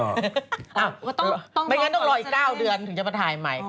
ไม่งั้นต้องรออีก๙เดือนถึงจะมาถ่ายใหม่